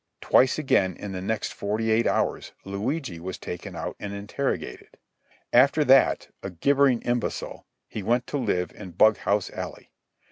Twice again in the next forty eight hours Luigi was taken out and interrogated. After that, a gibbering imbecile, he went to live in Bughouse Alley.